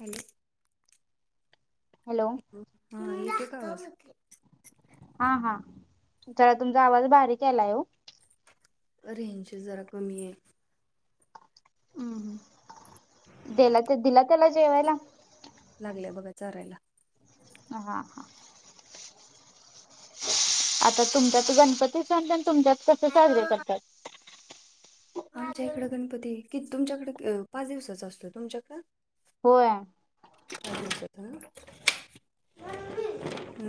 Hello hello. हा येतो खा आवाज हा हा चला तुमचा आवाज बारीक यायलाय हो. रेंज जरा कमी आहे. देला ते दिला त्याला जेवायला. लागल्याय बघा चारायला. हा हा आता तुमच्यात गणपती सण प तुमच्यात कसे साजरे करतात. आमच्या इकडं गणपती किती तुमच्याकडे पाच दिवसाचा असतो तुमच्याकडं. होय. अ.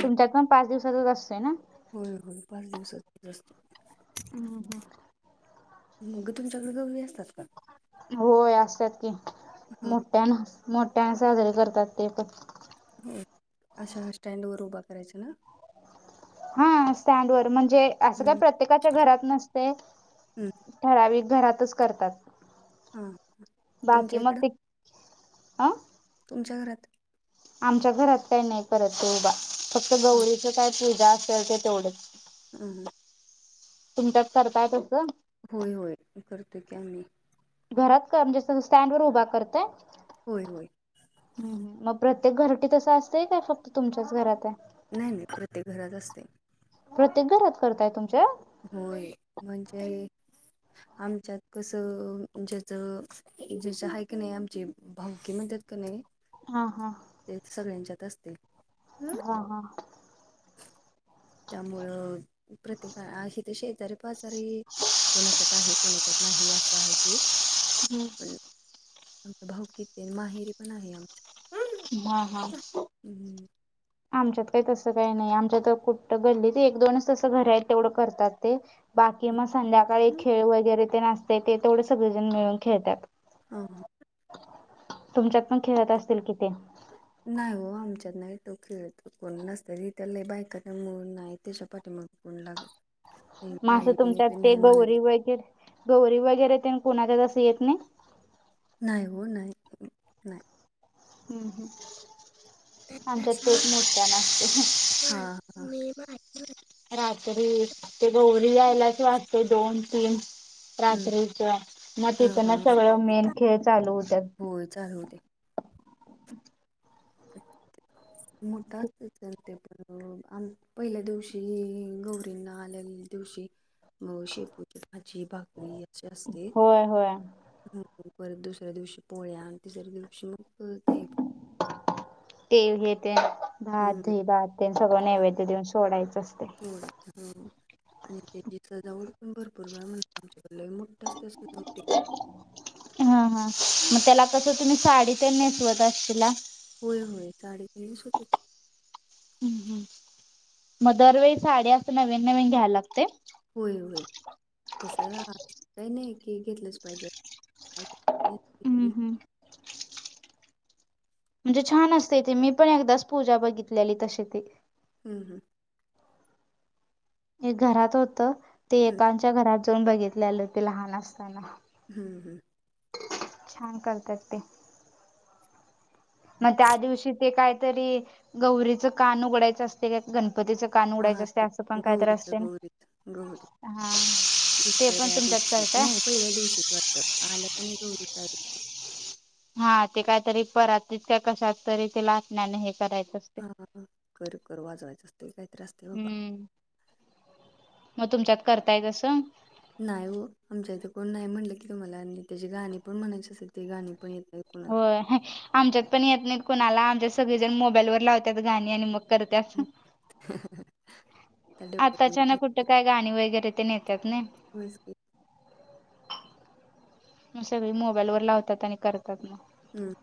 तुमच्यात पण पाच दिवसातच असतोय ना. होय होय पाच दिवसातत. हम्म हम्. मगे तमच्याकडे गवरी असत पण. होय असतात की हा मोठ्याना मोठ्याने साजरे करतात ते पण. हो अशा स्टँड वर उभा करायचं ना. हा म्हणजे अस का प्र. हम्म प्रत्येकाच्या घरात नसते हम्म ठराव घरातच करतात. हा बाकी तुमच्या मग ते अं तुच्या घरात. आमच्या घरात काही नाही करत ते उभ फक्त हा गौरीच काय पूजा असेल ते तेवढंच. ह तुमच्यात करता येत अससं. होय होय करतोय की आम्ही. घरात का म्हणजे स्टँड वर उभा करत. होय होय. ह मग प्रत्येक घरटी तसं असतंय काय फक्त तुमच्याच घरात आहे. नाही नाही प्रत्येक घरात असते. प्रत्येक घरात करताय तुमच्या. होय म्हणजे. आमच्यात कसं ज्याचं ज्याच आहे क नाही आमची भाव्य म्हणतात. क. हा हा. तेच सगळ्यांच्यात असते. हा हा. त्यामुळं प्रत्येका ह तर शेजारी. क जरी कोणाच्या आहे कोणाच्यात नाही असं आहे क हम्म. आ भाऊकित माहेरी पण आहे आमच्या. हा हा. हम् हम. आमच्यात काही तसं काही नाही आमच्या तर कुठ गल्ली ते एक दोनच तसं घर आहेत तेवढं करतात ते.. बाकी मग संध्याकाळी हा खेळ वगैरे ते नसते ते तेवढे सगळेजण मिळून खेळतात. हो ह तुमच्यात पण खेळत असतील कि ते. नाही हो आमच्यात नाही तो खेळतो कोण नसत तिथला बायकाना मळून नाही त्याच्या पाठी. उग. मग असं तुमच्यात ते गौरी वगैरे गौरी वगैरे ते कुणाच्या तस येत नाही. नाही हो नाही नाही. हम्म ह् आमच्यात तेच मोठ्या नसते. हा म. रात्री ते गोरी हम्म यायलाच वाटते दोन तीन. रात्रीच मग हा तिथं हा ना सगळं मेन खेळ चालू होत. होय चालू दे. मोठा असत चल ते पण. अ आम पहिल्या दिवशी गौरींना आलेल्या दिवशी मग शेपूची भाजी, भाकरी अशी असते. होय होय हो. परत दुसऱ्या दिवशी पोळ्या, तिसऱ्या दिवशी मग दही ते हे ते भात दही भात ते सगळं नैवेद्य देऊन सोडायचं असतय. [inaudible] आणि त्याची सजावट पण भरपूर वेळा म्हण आच्याकड लय मोठा असत्या सजावटी. हा हा. मग त्याला कसं तुम्ही साडी तेन नेसवत असशिला. होय होय साडी ते नेसवतो की. हम्म हम्म. मग दरवेळी साडी असं नवीन नवीन घ्यायला लागतय? होय होय. तस काही नाही की घेतलंच पाहिजे हम्म हम्म म्हणजे छान असते तेे मी पण एकदाच पूजा बघितलेली तशी ती. हम्म हम्म. एक घरात होत. ते हम्म एकांच्या घरात जाऊन बघितलेल ते लहान असताना. हम्म हम्म. छान करत्यात ते. मग त्या दिवशी ते कायतरी गौरीच कान उघडायचं असते का गणपतीच कान उडायचं हा असतय ते असं पण कायत गौरीचं असते ना? गौरीचं गौरी हा. ते पण दुसऱ्या तुमच्यात दिवशी करताय नाही पहिल्या दिवशीच वाटतं आलं की नाही गौरी हा ते कायतरी परातीत का कशात तरी ते लाटण्याने हे करायचं असते हा कर कर वाजवायचं असत काही तरी हम्म. मग तुमच्यात करताय तसं? नाही हो. आमच्या इथे कोण नाही म्हटलं की तुम्हाला आणि त्याची गाणी पण म्हणायची असेल ते गाणी पण येत नाही. कोणाला होय. आमच्यात पण येत नाहीत कुणाला आमच्या सगळे जण मोबाईल वर लावतात गाणी आणि मग करत [inaudible] अहं अहं. आताच्यांना कुठे काय गाणी वगैरे तेन येतात ने. होयच की. सगळी मोबाईल वर लावतात आणि करतात मग. हम्म.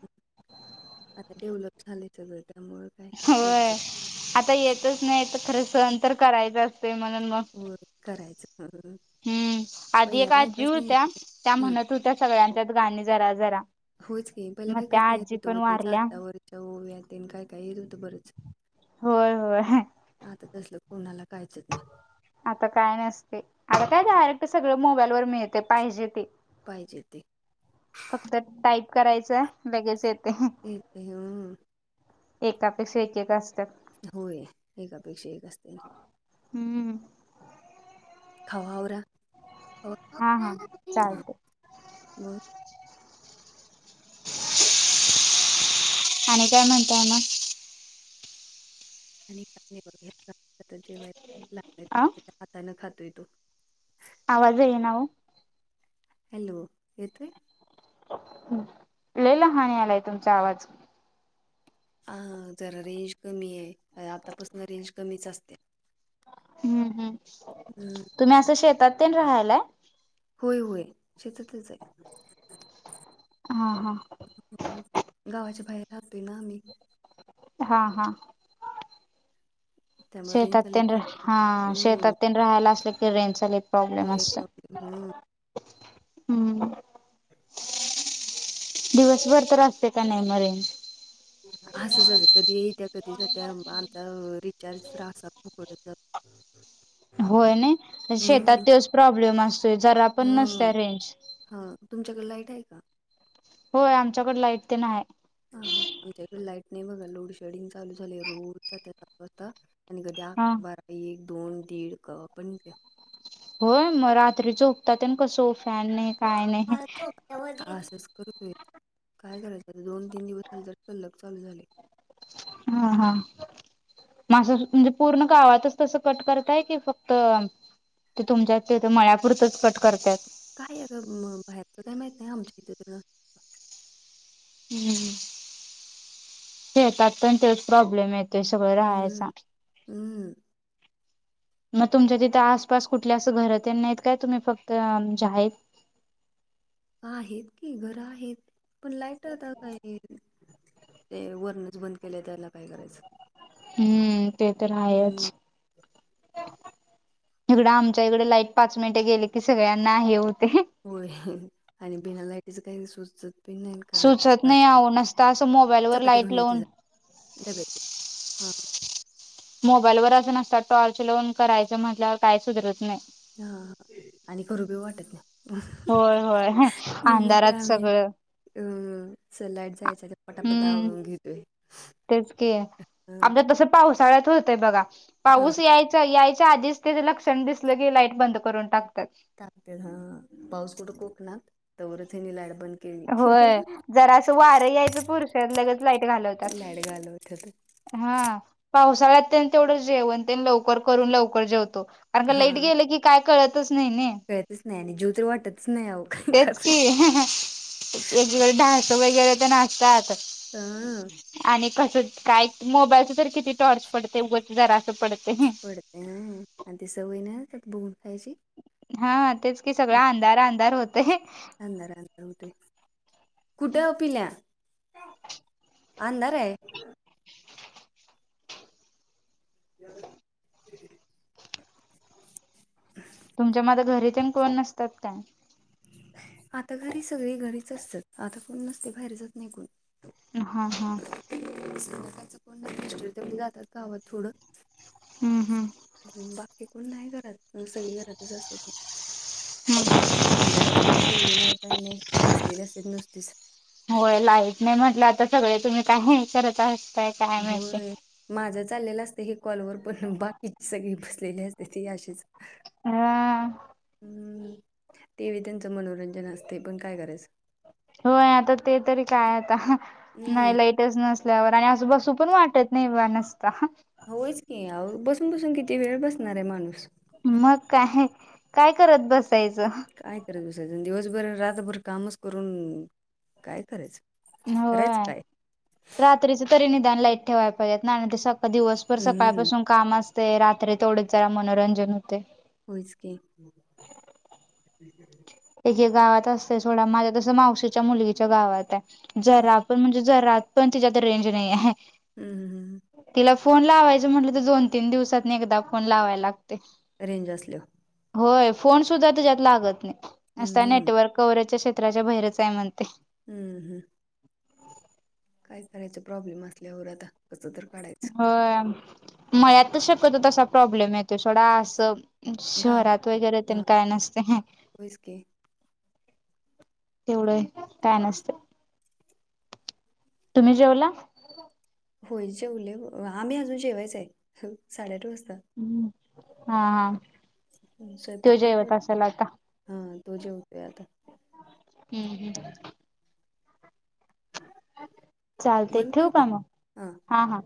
आता डेव्हलप झालेय सगळं त्यामुळं. होय. आता येतच नाही तर खरं सण तर करायचं असते म्हणून मग होय करायचं हम्म. हम्म. आधी पहिल्या एक आजी बायकाच नाही येत होत्या त्या होत्या हम्म म्हणत हो त्या सगळ्यांच्यात गाणी जरा जरा होच की पहिला मग त्या बाईकासंनी येत आजी पण होतं त्याच वारल्या जात्यावरच्या ओव्यातेन काय काय येत होतं बरंच. होय होय. आता तसलं कोणाला काहीच येत नाही. आता काय नसतय. आता काय डायरेक्ट सगळं मोबाईल वर मिळते पाहिजे ते. पाहिजे ते. फक्त टाईप करायचंय लगेच येतय. अहं. ते येतंय हं. एकापेक्षा एक एक असत्यात. होय. एकापेक्षा एक असतय. हम्म. खवा आवरा हा हा चालतय. म आणि काय म्हणताय मग? अ [unintelligible] हाताने खातोय तो. आवाज येईना ओ. हॅलो. येतोय. लई लहान आलाय तुमचा आवाज. हा जरा रेंज कमी आहे तर आतापासून रेंज कमीच असते हम्म हम् हम्म तुम्ही असं शेतात ते राहायलाय होय होय शेततच आहे हा हा गावाच्या बाहेर राह नाम्ही हा हा त्यामुळे रेंजचा लय शेततन हा प्रॉब्लेम हम्म शेतत राहायला असले की रेन चा प्रॉब्लेम लय असत प्रॉब्लेम हम्म हम् दिवसभर तर असते का नाही मगं रेंज? असचं कधी येत्या कधी जात्या आमचा रिचार्ज तरं असा फुकटच जातो. होय नाही शेतात हम्म तेच प्रॉब्लेम असतोय जरा पण नसत्या हम्म रेंज. हा, तुमच्याकडे लाईट आहे का? होय, आमच्याकडे लाईट तेन आहे. हा आमच्या इकडे लाईट नाही बघा लोड शेडिंग चालू झाले रोज जात्या सात वाजता. आणि कधी अक हा बारा एक दोन दीड क पण होय मग रात्री च उकतात ना कसो फॅन एक पात क्सेस करतोय काय करायचं आता दोन तीन दिवस झाले तर कल्लक चालू झाले हा हा मासं म्हणजे पूर्ण गावातच तस कट करतय की फक्त ते तुमच्यात तेथ मळ्यापूरचच कट करतात काय अ बाहेरच काय माहित आहेय आमच्या इथ तं हम्म शेतात पण तेच प्रॉब्लेम येतोय सगळं राहायचा हमं मग तुमच्या तिथे आसपास कुठल्या असं घरात नाहीत काय तुम्ही फक्त जा आहेतेत आहेत की घर आहेत पण लाईटताच आहे ते वरणच बंद केलं त्याला काय करायचं हम्म ते तर हम्म आहेच इकडं आमच्या इकडे लाईट पाच मिनिटे गेले की सगळ्यांना आहे होते होय आणि बिनालाईटच काही सुचत पि नाही करत सुचत बाळा नाही आह न असता असं मोबाईलवर लाईट लावून ब हां मोबाईल वर असून असतात टॉर्च लाोन करायच म्हटल्यावर काही सुधरत नाही हा आणि करूबी वाटत नाही होय होय म्हणून तर अंधारात आम्ही सगळं अ सलाड जायचं पटा पटा हम्म आंगिते तेच की. हा आमच्या तसं पावसाळ्यात होतय बघा हा पाऊस याय यायच्या आधीच ते लक्षण दिसलं की लाईट बंद करून टाकतात का पाऊस कुठं कोकना तरच हे निलाड बंद केली होय जरा असं वार यायचं पुरुषात लगेच लाईट घालवतात लाईट घालवत्यात हा पावसाळ्यातंत तेवढं जेवण त्यां लवकर करून लवकर जेवतो कारण का हा लाईट गेलं की काय कळतच नाही नाही कळतच नाही आणि जव तर वाटतच नाही अ का खातली एककडे डान्स वगैरे तर नाचतात हा आणि कसं काय मोबाईलच तर किती टॉर्च पडते उगच जरा असं पडते पडते ना आणि त सवय नाही बुघून खायची हा तेच कि सगळ अंधार अंधार होते अंदरारठ कुठ पला अंदारे या तुमच्या मझ घरी ते कोण नसतात काय आता घरी सगळी घरीच असतात आता कोण नसते बाहेर जात नाही कोण हा हां कायचं कोण न मिस्र तेवढी जातात गावात थोडं हम्म हम् बाकी कोण नाही घरात सगळी घरातच असते हम्म अंधाराचं काही टी व्ही नाही काय नाही बसलेली असत नुसतीच होय लाईट नाही म्हटलं आता सगळे तुम्ही काय हे करत आहात होय माझं चाललेलं असतं हे कॉलवर पण बाकीची सगळी बसलेली असते ती आशीच हा हम्म ते त्यांचं मनोरंजन असते पण काय करायचं होय आता ते तरी काय आता नाही हम्म लाईट नसल्यावर आणि आजू बासू पण वाटत नाही नसता होच की बसून बसून किती वेळ बसणार आहे माणूस मग काय काय करत बसायचं काय करायचं विसायजन दिवसभर रातभर कामच करून काय करायचं करायचं होय काय रात्रीच तरी निदान लाईट ठेवायला पाहिजेेत नाहीर सकां दिवस भर हम्म, सकाळपासून काम असते रात्री तेथवढेच जरा मनोरंजन होते होचके एकका गावात असते थोडा माझ्या तसं मावशीच्या मुलगीच्या गावात आहे जरापूर म्हणजे तर रात पण तिच्या तर रेंज नाही आहे हम् हम हमम तिला फोन लावायचं म्हटलं तर दोन तीन दिवसातनी एकदा फोन लावायला लागते रेंज असलो होय फोन सुद्धा त्याच्यात लागत नाही नता हम्म, नेटवर्क कवरा्याच्या क्षेत्राच्या बाहेरच आहे म्हणते हम्म हम् काय करायच प्रॉब्लेम असल्यावर आता कसं तर काढायचं हो मळत शक्यत तसा प्रॉब्लेम येतो थोडा असं गाव शहरात वगैरे हा ते काय नसते होयच की. तेवढंय काय नसतं तुम्ही जेवला होळीचे उले आम्ही अजून जेवायचं आहे साडेठऊ वाजता हम् हा हा हम्म, स्वयंपाक ते तेन जवत तेवढा असाला आता हा तो जेवतेोय आता हम्म हम् चालते बंद ठेव करू का मग हा हा